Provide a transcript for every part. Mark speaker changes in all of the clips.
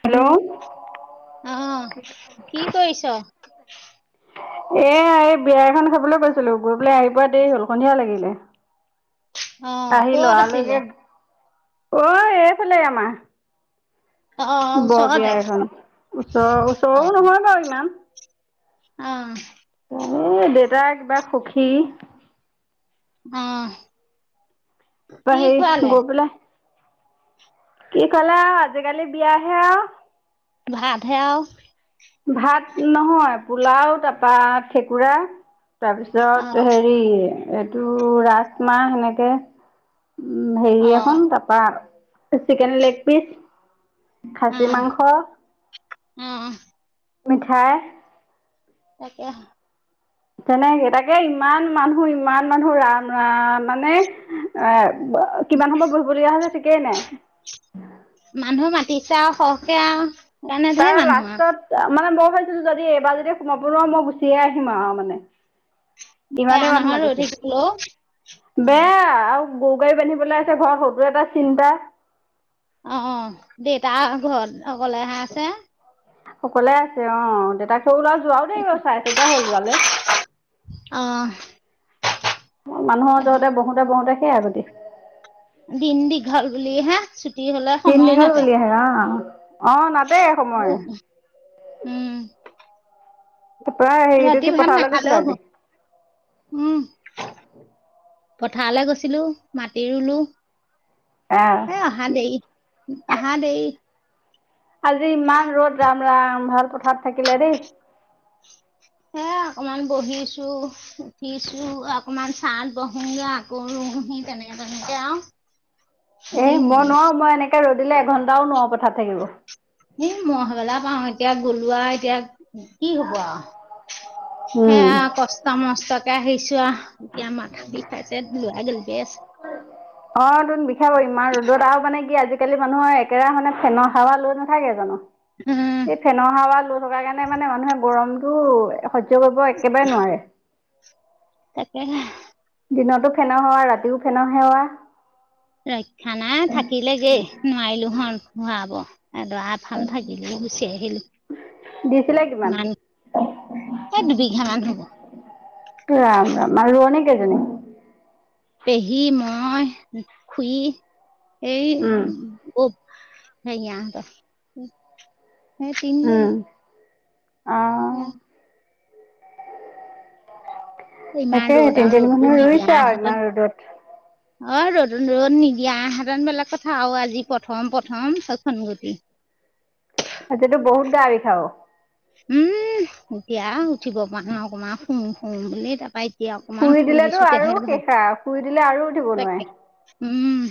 Speaker 1: Hello
Speaker 2: অ কি কৰিছ?
Speaker 1: এ এই বিয়া এখন খাবলৈ গৈছিলো। গৈ পেলাই আহি পোৱা দেই হল, সন্ধিয়া লাগিলে।
Speaker 2: অ',
Speaker 1: আহি
Speaker 2: ক'ত আছিলে?
Speaker 1: লৰালৰিকে, অ এইফালে আমাৰ।
Speaker 2: অ',
Speaker 1: বৰ বিয়া
Speaker 2: ওচৰতে
Speaker 1: এখন। ওচৰৰ
Speaker 2: অ',
Speaker 1: ওচৰও নহয় বাৰু ইমান।
Speaker 2: অ।
Speaker 1: একেবাৰে সুখী।
Speaker 2: অঁ।
Speaker 1: তা পা সেই গৈ পেলাই কি ক'লা আৰু আজিকালি বিয়াহে আও।
Speaker 2: ভাত হে আও।
Speaker 1: ভাত নহয়, পোলাও তাৰপা ঠেকুৰা তাৰপিছত
Speaker 2: অ',
Speaker 1: হেৰি এইটো ৰাজমাহ সেনেকে। উ হেৰি
Speaker 2: অ',
Speaker 1: এখন তাৰপা চিকেন লেগ পিচ খাছী মাংস
Speaker 2: উম।
Speaker 1: মিঠাই
Speaker 2: তাকে।
Speaker 1: তেনেকে। তাকে ইমান মানুহ, ইমান মানুহ। ৰাম, ৰাম মানে এ কিমান সময় বহিব লগীয়া হৈছে ঠিকেই নাই।
Speaker 2: মানুহ মাতিছে আৰু সৰহকে আও।
Speaker 1: তাৰ লাষ্টত মানে বহুত কৈছো যদি এইবাৰ যদি সোমাব নোৱাৰো, মই গুচিয়ে আহিম আৰু মানে।
Speaker 2: বেয়া
Speaker 1: ইমানেই মানুহ
Speaker 2: নহয় ৰৈ
Speaker 1: মাতিছে।
Speaker 2: থাকিবলৈও
Speaker 1: বেয়া আৰু গৰু-গাড়ী বান্ধিবলৈ আছে ঘৰত, সৌটো এটা চিন্তা।
Speaker 2: অ, দেতা ঘৰত অকলে হে আছে।
Speaker 1: অকলে আছে অ। দেতাক সৰু লৰা যোৱাও দেৰি হল, চাৰে চাৰিটা হ'ল যোৱালে।
Speaker 2: অ',
Speaker 1: মানুহৰ যহতে বহোতে-বহোতে সেইয়া গতি।
Speaker 2: দিন দীঘল বুলিহে, ছুটি হলে সময় নাটে।
Speaker 1: অ নাটে সময়।
Speaker 2: উম,
Speaker 1: ত পেৰাই
Speaker 2: ৰাতি
Speaker 1: আহিটোতি
Speaker 2: ভাত
Speaker 1: পঠালে কৈছে
Speaker 2: নাখালেও হ
Speaker 1: আজি। [inaudible]
Speaker 2: পথাৰলে গৈছিলো, মাটি ৰুলো।
Speaker 1: আহ
Speaker 2: এ অহা দেই, অহা দেই।
Speaker 1: আজি ইমান ৰ'দ ৰাম ৰাম ভাল পথাৰ থাকিলে দেই।
Speaker 2: সে অকমান বহিছো উঠিছো অকমান চাহত বহোগে আকৌ। বহি তেনেকে। তেনেকে আৰু
Speaker 1: এ
Speaker 2: দিন
Speaker 1: মই নোৱাৰো মই এনেকে ৰ'দিলে এঘন্টাও নোৱাৰো পথাৰত। থাকিব।
Speaker 2: এই মই সবেলা পাওঁ এতিয়া গলোৱা এতিয়া। কি হব আৰু
Speaker 1: উম।
Speaker 2: সেয়া কষ্ট মষ্টকে আহিছো আৰু। এতিয়া মাথা বিখাইছে লৰা গালি দি আছে।
Speaker 1: অ তোন বিষাব ইমান ৰ'দত আৰু মানে কি আজিকালি। আজিকালি মানুহৰ একেৰাহে মানে ফেনৰ সাৱা লৈ নাথাকে জানো।
Speaker 2: উম
Speaker 1: এই ফেনৰ হাউৱা লৈ থকা কাৰণে মানে মানুহে গৰমতটো। সহ্য কৰিব একেবাৰে নোৱাৰে।
Speaker 2: তাকে হে।
Speaker 1: দিনতো ফেনৰ সাৱা ৰাতিও ফেনৰ সাৱা।
Speaker 2: ৰক্ষা নাই থাকিলে দেই নোৱাৰিলো হয় ভৰাব। এডৰা এফাল থাকিলে গুচি আহিলো।
Speaker 1: দিছিলে কিমান।
Speaker 2: ইমান এই দুবিঘা মান হব
Speaker 1: ৰাম ৰাম আৰু এনে ৰোৱনি কেইজনী।।
Speaker 2: পেহী মই খুই এই।
Speaker 1: উম।
Speaker 2: সেইয়া হাতত সেই তিনদিন।
Speaker 1: উম,
Speaker 2: উম।
Speaker 1: অ।
Speaker 2: ইমান
Speaker 1: তাকে
Speaker 2: ৰ'দ আৰু
Speaker 1: তিনজনী
Speaker 2: ৰ'দটো
Speaker 1: মানুহে
Speaker 2: নিদিয়া
Speaker 1: ৰুইছে আৰু
Speaker 2: হাতত।
Speaker 1: ইমান ৰ'দত
Speaker 2: অ ৰ'দ ৰ'দ নিদিয়া হেঁতেন বেলেগ কথা আও আজি প্ৰথম প্ৰথম সেখন গতি।
Speaker 1: তাকেটো বহুত গাৰি খাও।
Speaker 2: উম এতিয়া উঠিব পৰা ন অকণাৰ শুওঁ শুওঁ বুলি তাপা।
Speaker 1: শুই দিলেতো আৰু শেষ শুই দিলে আৰু উঠিব নোৱাৰে।
Speaker 2: তাকে উম।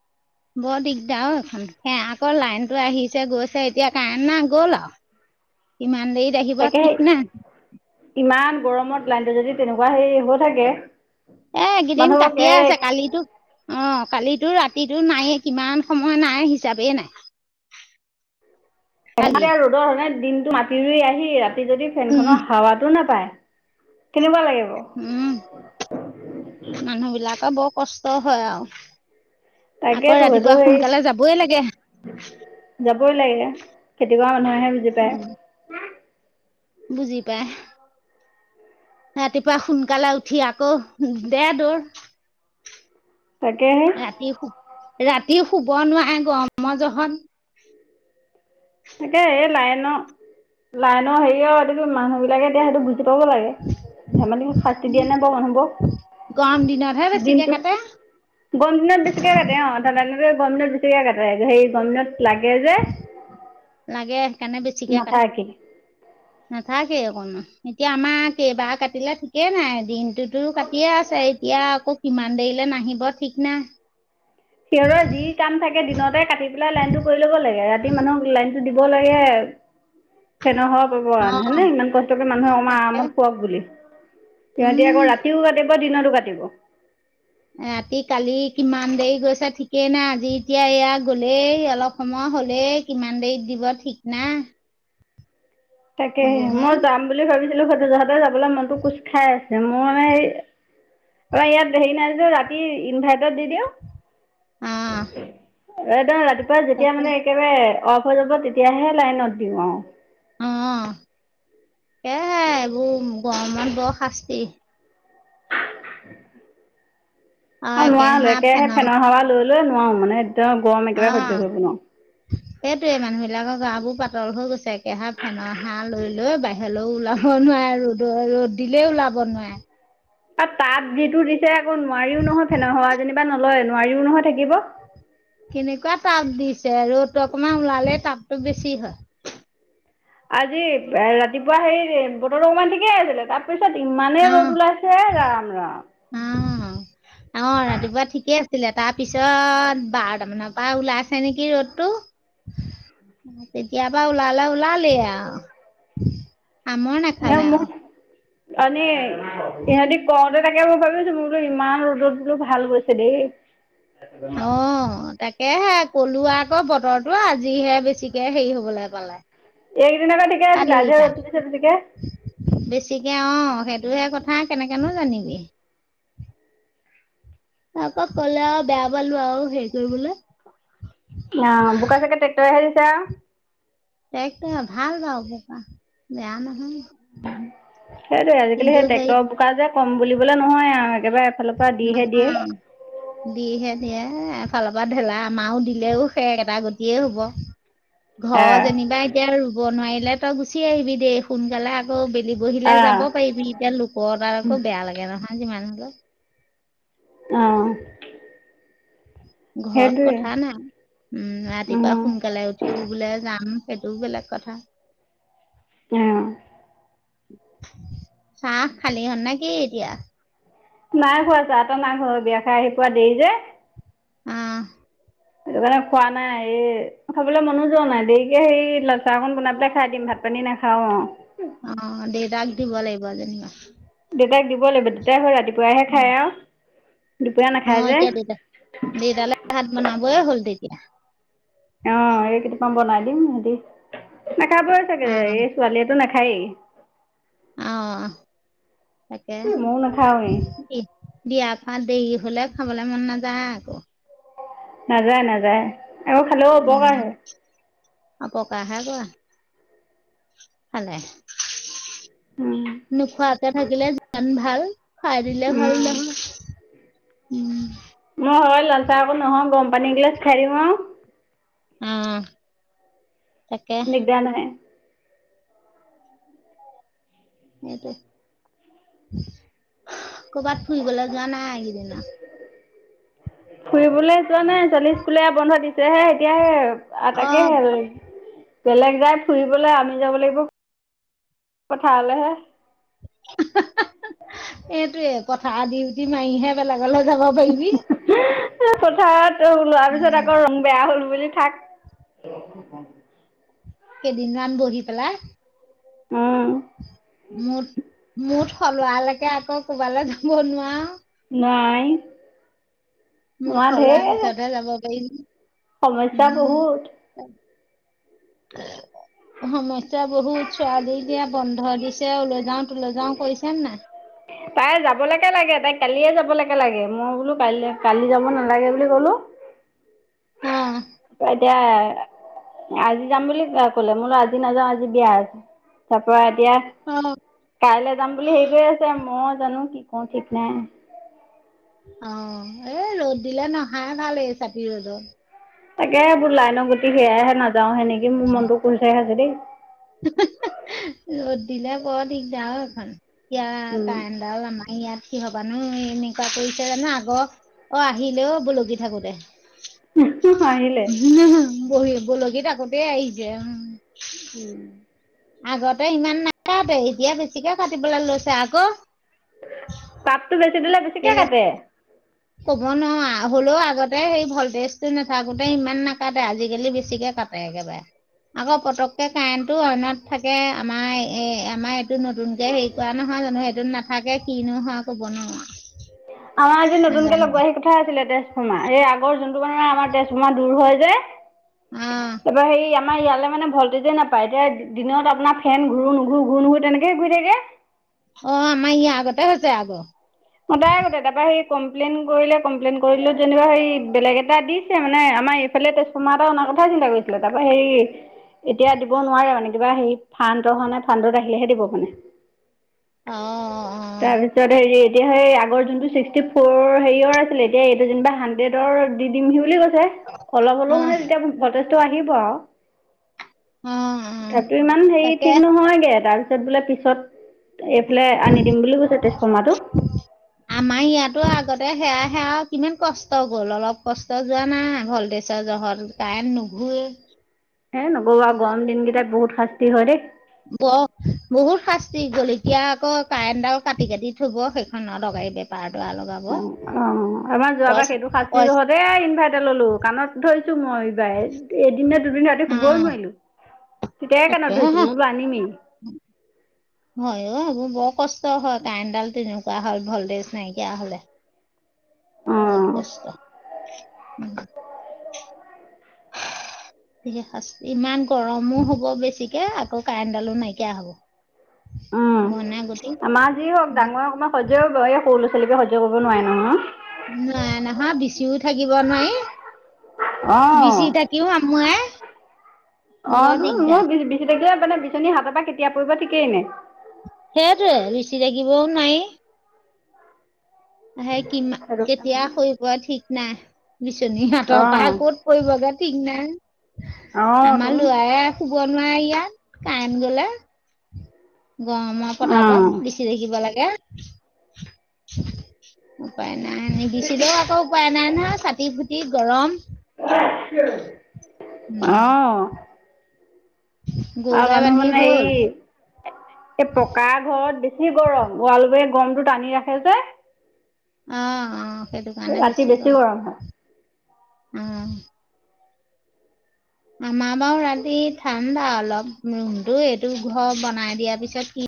Speaker 1: [unintelligible]
Speaker 2: বৰ দিগদাৰ অ এইখন আকৌ লাইনটো আহিছে গৈছে এতিয়া কাৰেণ্ট নাই গ'ল আৰু।
Speaker 1: [unintelligible]
Speaker 2: ইমান দেৰিত আহিব
Speaker 1: তাকে
Speaker 2: ঠিক নাই।
Speaker 1: ইমান গৰমত লাইনটো যদি তেনেকুৱা হেৰী হৈ থাকে।
Speaker 2: এ কেইদিন
Speaker 1: মানুহক
Speaker 2: কাটিয়ে
Speaker 1: এ
Speaker 2: আছে কালিতো অ। কালিতো ৰাতিটো নায়েই কিমান সময় নাই হিচাপেই নাই। কালি।
Speaker 1: ৰ'দৰ দিনতটো মাটি ৰুই আহি ৰাতি যদি
Speaker 2: উম,
Speaker 1: ফেনখনৰ হাৱাটো নাপাও। পাই কেনেকুৱা লাগে।
Speaker 2: উম মানুহ বিলাকে বৰ কষ্ট হয় আও। আকৌ
Speaker 1: তাকেতো সেইটো
Speaker 2: ৰাতিপুৱা
Speaker 1: হেৰি
Speaker 2: সোনকালে যাবই লাগে।
Speaker 1: যাবই লাগে খেতি কৰা মানুহে বুজি
Speaker 2: উম,
Speaker 1: পায়।।
Speaker 2: বুজি পাই। ৰাতিপুৱা সোনকালে উঠি আকৌ দে দৌৰ।
Speaker 1: তাকেহে।
Speaker 2: ৰাতি ৰাতি শুব নোৱাৰে গৰম যহত।
Speaker 1: তাকে এই লাইনৰ লাইনৰ হেৰি আৰু এই মানুহ বিলাকে এতিয়া সেইটো। পাব লাগে ধেমালি শাস্তি দিয়ে
Speaker 2: উম,
Speaker 1: নে বাও মানুহ
Speaker 2: গৰম দিনতহে
Speaker 1: বোৰক।
Speaker 2: বেছিকে
Speaker 1: দিনটো
Speaker 2: কাটে
Speaker 1: গৰম দিনত বেছিকে লাগে অ ঠাণ্ডা দিনত। গৰম দিনত বেছিকে কাটে সেই গৰম দিনত লাগে যে।
Speaker 2: লাগে সেইকাৰণে বেছিকে
Speaker 1: নাথাকে
Speaker 2: কাটে। নাথাকে অকণমান এতিয়া আমাৰ কেইবাৰ কাটিলে ঠিকেই নাই দিন। তো কাটিয়ে আছে এতিয়া আকৌ কিমান দেৰিলে নাহিব ঠিক নাই।
Speaker 1: সিহঁতৰ যি কাম থাকে দিনতে কাটি পেলাই লাইন টো কৰি ল'ব লাগে ৰাতি মানুহক লাইন টো দি দিব লাগে, ফেণৰ হাৱা
Speaker 2: অ
Speaker 1: নে ইমান কষ্টকে মানুহে অমাৰ
Speaker 2: তাকে
Speaker 1: আৰামত শুৱক বুলি সিহঁতি আকৌ
Speaker 2: উম
Speaker 1: ৰাতিও কাটে দিনতো কাটিব
Speaker 2: ৰাতি কালি কিমান দেৰি গৈছে ঠিকেই নাই আজি এতিয়া এয়া গলেই অলপ সময় হ'লে কিমান দেৰিত দিব ঠিক নাই।
Speaker 1: তাকে
Speaker 2: এইবোৰ হে
Speaker 1: মই যাম বুলি ভাবিছিলো সেইটো জহতে যাবলৈ মনতো কোজ খাই মোৰ মানে হে ইয়াত হেৰি নাই ৰাতি ইনভাৰ্টৰত দি দিওঁ
Speaker 2: অ
Speaker 1: একদম ৰাতিপুৱা যেতিয়া
Speaker 2: তাকে
Speaker 1: মানে একেবাৰে অফ হৈ যাব তেতিয়াহে লাইনত দিওঁ আৰু
Speaker 2: অ সেইয়াই আৰু এইবোৰ গৰমত বৰ শাস্তি
Speaker 1: [unintelligible]
Speaker 2: অ
Speaker 1: আৰু নোৱাৰো
Speaker 2: একেহা
Speaker 1: একেৰাহে ফেনৰ সাৱা লৈ লৈ নোৱাৰো মানে একদম গৰম একেবাৰে সহ্য
Speaker 2: অৱ,
Speaker 1: কৰিব নোৱাৰোঁ
Speaker 2: সেইটোৱে মানুহ বিলাকৰ গা - বোৰ পাতল হৈ গৈছে একেহা ফেনৰ হাহ লৈ লৈ বাহিৰলৈও ওলাব নোৱাৰে ৰ'দ ৰ'দ দিলে ওল লাব নুৱাবে
Speaker 1: আৰু তাত যিটো দিছে আকৌ নোৱাৰিও নহয় ফেনৰ হাৱা যেনিবা নলয় নোৱাৰিও নহয় থাকিব।
Speaker 2: কেনেকুৱা টাব দিছে ৰ'দত অকমান ওলালেই টাবটো বেছি হয়।
Speaker 1: আজি ৰাতিপুৱা হেৰি বতৰটো অকণমান ঠিকেই আছিলে তাত তাৰপিছত ইমানেই ৰ'দ
Speaker 2: অ'
Speaker 1: ওলাইছে ৰাম ৰাম।
Speaker 2: অ'
Speaker 1: [unintelligible]
Speaker 2: অ ৰাতিপুৱা ঠিকে আছিলে তাৰ পিছত বাৰটা মানৰ পৰা ওলাই আছে নেকি ৰ'দটো। তেতিয়া পৰা ওলালে ওলালে আও সামৰ নাখালে আও
Speaker 1: আনি ইহঁতি কওঁতে তাকে মই ভাবিছো মোৰ বোলো ইমান ৰ'দত বোলো ভাল গৈছে দেই।
Speaker 2: অৱ তাকে এহে কলোৱা আকৌ বতৰটো আজিহে বেছিকে হেৰি হবলৈ পালে।
Speaker 1: এইকেইদিন আকৌ ঠিকে আছিলে
Speaker 2: কালি
Speaker 1: আজি
Speaker 2: কেইটা,
Speaker 1: ৰ'দ তুলিছে বেছিকে।
Speaker 2: বেছিকে অ সেই ধেই কথা কেনেকেনো জানিবি। আকৌ কলে আৰু বেয়া পালো আৰু হেৰি কৰিবলে।
Speaker 1: অ বোকা চাগে ট্ৰেক্টৰেহে দিছে আও।
Speaker 2: ট্ৰেক্টৰে আও ভাল দ' পথাৰ বেয়া নহয়।
Speaker 1: সেইটোৱে আজিকালি সেই ট্ৰেক্টৰ বোকা যে কম বুলিবলে নহয় আও একেবাৰে এফালৰ পৰা দিহে দিয়ে।
Speaker 2: নহয়, যিহে দিয়ে। চালৰ পৰা ঢেলা আমাৰও দিলেও শেষ এটা গতিয়েই হব। ঘৰ
Speaker 1: অ'
Speaker 2: যেনিবা এতিয়া ৰুব নোৱাৰিলে তই গুচি আহিবি দেই সোনকালে আকৌ। খ বহিলে
Speaker 1: অ'
Speaker 2: যাব পাৰিবি এতিয়া লোকৰ তাত আকৌ বেয়া লাগে নহয় যিমান হ'লেও।
Speaker 1: অৱ
Speaker 2: ঘৰত কথা নাই উম ৰাতিপুৱা
Speaker 1: উম।
Speaker 2: সোনকালে উঠি বোলে যাম। সেইটোও বেলেগ কথা।
Speaker 1: অৱ
Speaker 2: চাহ খালী হ'ল নেকি এতিয়া?
Speaker 1: নাই খোৱা আছে আঁতৰ মাক হৈ বিয়া খাই আহি পোৱা দেৰি যে।
Speaker 2: উম
Speaker 1: সেইটো কাৰণে খোৱা নাই এই খাবলৈ মনো যোৱা নাই দেৰিকে সেই লালচাহ এখন বনাই পেলাই খাই দিম। ভাত পানি নাখাওঁ।
Speaker 2: অ দে তাক দিব লাগিব যেনিবা।
Speaker 1: দেউতাক দিব লাগিব দেউতাই ৰাতিপুৱাহে খাই আও দুপৰীয়া
Speaker 2: অ
Speaker 1: নাখায়
Speaker 2: এতিয়া
Speaker 1: যে।
Speaker 2: দেতা দেতালৈ ভাত বনাবই হ'ল তেতিয়া।
Speaker 1: অ এই কেইটামান বনাই দিম সিহতি, নাখাব চাগে
Speaker 2: অ
Speaker 1: এই ছোৱালীয়েটো নাখায়। খাই।
Speaker 2: অ তাকে।
Speaker 1: ময়ো নাখাওৱেই।
Speaker 2: দিয়াৰ পা দেৰি হলে খাবলে মন নাযায় আকৌ
Speaker 1: নাযায় নাযায় আকৌ খালেও অপকাৰ হে।
Speaker 2: অপকাৰ হে পোৱা খালে।
Speaker 1: উম,
Speaker 2: নোখোৱাকে থাকিলে যিমান ভাল খুৱাই দিলে ভাল
Speaker 1: উম।
Speaker 2: নহয়। উম।
Speaker 1: মই হয় লাল চাহ অকন, নহয় গম পানীগিলাচ খাই দিও আৰু।
Speaker 2: উম।
Speaker 1: দিগদাৰ নহয়।
Speaker 2: সেয়টো, কৰ'বাত ফুৰিবলৈ যোৱা নাই এইকেইদিন আও। [unintelligible]
Speaker 1: ফুৰিবলৈ যোৱা নাই ছোৱালী স্কুলে বন্ধ দিছে হে এতিয়াহে। আহ
Speaker 2: অ
Speaker 1: তাকে হে। বেলেগ যাই ফুৰিবলৈ আমি যাব লাগিব পথাৰলৈহে।
Speaker 2: হা হা হা। এইটোয়ে পথাৰৰ দিউটি মাৰিহে বেলেক কলে যাব পাৰিবা।
Speaker 1: হে হে, পথাৰত
Speaker 2: উম
Speaker 1: ৰোৱা তাকে।
Speaker 2: কেইদিনমান বহি পেলাই।
Speaker 1: উম'
Speaker 2: মো,
Speaker 1: নাই।
Speaker 2: মোৰ
Speaker 1: আমাৰ
Speaker 2: থলোৱা
Speaker 1: ঢেৰ
Speaker 2: পিছতহে যাব পাৰিবি।
Speaker 1: সমস্যা বহুত।
Speaker 2: সমস্যা বহুত চোৱালী এতিয়া বন্ধ দিছে। অলৈ যাওঁ তোলৈ যাওঁ কৰিছে নাই।
Speaker 1: তাই যাবলৈকে লাগে- লাগে, তাই কালিয়ে যাবলৈকে লাগে-লাগে মই বোলো কালি কালি যাব নালাগে বুলি কলো। অ
Speaker 2: অঁহ
Speaker 1: এতিয়া আজি যাম বুলি ক'লে, মই কলো আজি নাযাওঁ আজি বিয়া আছে। তাৰ পৰা।
Speaker 2: অঁ।
Speaker 1: কাইলৈ যাম বুলি হেৰি আছে মই জানো কি কওঁ ঠিক নাই।
Speaker 2: অঁ এ' ৰ'দ দিলে নাহাই ভাল এই চাকি ৰ'দত।
Speaker 1: তাকে হে এইবো লাইনত গুটি সেয়াই হে নাযাওঁ সেনেকি মোৰ মনতো খোল খাই দেই।
Speaker 2: হে হে হে, ৰ'দ দিলে বৰ দিক দাৰ অ এইখন। এতিয়া
Speaker 1: উম,
Speaker 2: কাৰেণ্ট ডালো আমাৰ ইয়াত- কি হ'ব নো এনেকুৱা কৰিছে জানো আগৰ অ আহিলেও অ বলগি থাকোতে।
Speaker 1: আহিলে।
Speaker 2: বলকি থাকোতে আকৌ আহিছে। উম'।
Speaker 1: উম'
Speaker 2: আগতে ইমান নাকাটে, এতিয়া বেছিকে কাটিবলৈ লৈছে আকৌ।
Speaker 1: তাপ টো বেছি দিলে বেছিকে
Speaker 2: কেলে
Speaker 1: কাটে।
Speaker 2: ক'ব নোৱাৰো আৰু হলেও আগতে সেই ভল্টেজটো নাথাকোতে ইমান নাকাটে আজিকালি বেছিকে - কাটে একেবাৰে। আকৌ পতককে কাৰেণ্ট টো অইনত থাকে আমাৰ এই আমাৰ- এইটো নতুনকে হেৰি কৰা নহয় জানো এইটোত নাথাকে কিনো হয় কব নোৱাৰো।
Speaker 1: আমাৰ আজি নতুনকে
Speaker 2: নাজানো
Speaker 1: লগোৱা আহি কথা আছিলে তেজফৰ্মা, এই আগৰ যোনটো মানে আমাৰ তেজফৰ্মা দূৰ হয়- যে।
Speaker 2: অ
Speaker 1: তাৰপৰা হেৰি আমাৰ ইয়ালে মানে ভল- বোজিয়ে নাপায়। এতিয়া দিনত আপোনাৰ ফেন ঘূৰো নুঘূৰো ঘূৰো নুঘূৰো তেনেকে ঘূৰি থাকে।
Speaker 2: অঁ আমাৰ ইয়াত আগতে হৈছে আক।
Speaker 1: মতাই গতে তাৰপৰা সেই কমপ্লেইন কৰিলে কমপ্লেইন কৰিলোঁ যেনিবা সেই বেলেগ এটা দিছে মানে আমাৰ এইফালে তেজপমা এটা- কথা চিন্তা কৰিছিলে। তাৰপৰা হেৰি- এতিয়া দিব নোৱাৰে মানে কিবা হেৰি ফান্ড অহ নে ফান্ডত আহিলেহে দিব মানে।
Speaker 2: অ অ
Speaker 1: তাৰপিছত হেৰি- এতিয়া সেই আগৰ যোনটো ছিক্সটি ফ'ৰ হেৰিয়ৰ আছিলে। এতিয়া এইটো যেনিবা হাণ্ড্ৰেডৰ দি দিমহি বুলি কৈছে। অলপ
Speaker 2: অ অ
Speaker 1: হ'লেও মানে তেতিয়া ভল্টেজ আহিব আৰু।
Speaker 2: অ অ
Speaker 1: তথাপিও ইমান হেৰি
Speaker 2: তাকে
Speaker 1: ঠিক নহয়গে। তাৰপিছত বোলে পিছত- এইফালে আনি দিম বুলি কৈছে তেজপৰ্মাটো।
Speaker 2: আমাৰ ইয়াতো আগতে সেৱা সে আও কিমান কষ্ট গ'ল অলপ কষ্ট যোৱা নাই হ'ল। পইচা জহত কাৰেণ্ট নুঘূৰেই।
Speaker 1: এ নকব আৰু গৰম দিনকেইটাই বহুত শাস্তি হয় দেই।
Speaker 2: অঁ বহুত শাস্তি জলকীয়া আকৌ কাৰেণ্টডাল কাটি কাটি থ'ব সেইখনে। একে পাৰ্ট।
Speaker 1: অ অহ আমাৰ যোৱাবাৰ
Speaker 2: পইচা
Speaker 1: সেইটো শাস্তি
Speaker 2: পইচা
Speaker 1: জহতে ইনভেতৰ ললো, কাণত ধৰিছো মই এইবাই এদিন নে দুদিন ৰাতি শুবৈ নোৱাৰিলো।
Speaker 2: তাকে হে, হয় অহ এইবোৰ বৰ কষ্ট হয়, কাৰেণ্টডাল তেনেকুৱা হল ভল্টেজ নাইকিয়া হলে। বহুত
Speaker 1: অঁ
Speaker 2: কষ্ট, উম
Speaker 1: [unintelligible]
Speaker 2: কিহে শাস্তি ইমান গৰমো হব বেছিকে, আকৌ কাৰেণ্টডালো নাইকিয়া হ'ব।
Speaker 1: উম
Speaker 2: ঘনা গতি
Speaker 1: আমাৰ যি হওক
Speaker 2: উম,
Speaker 1: ডাঙৰ অকমাণ সজ্য এইয়া সৰু লৰা ছোৱালী চবে সজ্য কৰিব নোৱাৰে
Speaker 2: নোৱাৰে নহয়
Speaker 1: নহয়।
Speaker 2: বিচিও থাকিব নোৱাৰি,
Speaker 1: অ',
Speaker 2: বিচি থাকিও আমুয়াই।
Speaker 1: অ টো মোৰ বি বিচি থাকিলে মানে বিচনী হাতৰ পৰা কেতিয়া পৰিব ঠিকেই নাই।
Speaker 2: হেইটোয়ে বেছি থাকিবও নোৱাই। আহে কি মা,
Speaker 1: সেইটো
Speaker 2: কেতিয়া
Speaker 1: কাৰণে
Speaker 2: শৰী পৰে ঠিক নাই। বিচনী হাতৰ পৰা
Speaker 1: অ',
Speaker 2: ক'ত পৰিবগে ঠিক নাই।
Speaker 1: অ', তোন
Speaker 2: আমাৰ লৰা শুব নোৱাৰে ইয়াত, কাৰেন গলে। গৰমৰ
Speaker 1: অ',
Speaker 2: পতাপত বেচি থাকিব লাগে, উপায় নাই নিবিছিলেও আকৌ উপায় নাই নহয়, চাটি ফুটি গৰম। উম
Speaker 1: অহ
Speaker 2: গৰু
Speaker 1: আৰু
Speaker 2: গাই
Speaker 1: মানুহ
Speaker 2: বান্ধি
Speaker 1: মানে
Speaker 2: হ'ল
Speaker 1: এই, এই পকা ঘৰত বে বেছি গৰম ৱাল বোৰে গমটো টানি ৰাখে যে।
Speaker 2: আ অহ
Speaker 1: ৰাতি বেছি গৰম হয়।
Speaker 2: আঁহ আমাৰ বাৰু ৰাতি ঠাণ্ডা অলপ ৰুমতটো, এইটো ঘৰ বনাই দিয়াৰ পিছত কি